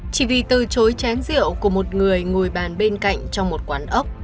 chỉ vì từ chối chén rượu của một người ngồi bàn bên cạnh trong một quán ốc